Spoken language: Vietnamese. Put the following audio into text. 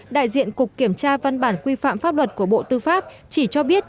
đại diện cục kiểm tra văn bản quy phạm pháp luật của bộ tư pháp chỉ cho biết